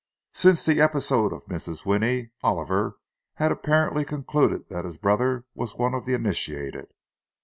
Since the episode of Mrs. Winnie, Oliver had apparently concluded that his brother was one of the initiated.